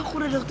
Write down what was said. aku udah dokter